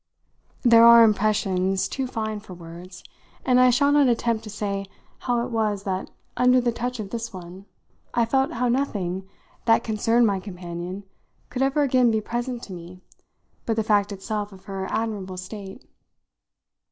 There are impressions too fine for words, and I shall not attempt to say how it was that under the touch of this one I felt how nothing that concerned my companion could ever again be present to me but the fact itself of her admirable state.